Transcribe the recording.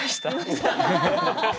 ハハハハ！